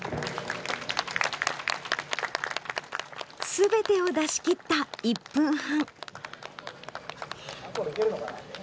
全てを出しきった１分半。